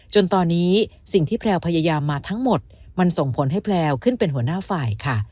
จนตอนนี้สิ่งที่แพลวพยายามมาทั้งหมดมันส่งผลให้แพลวขึ้นเป็นหัวหน้าฝ่ายค่ะ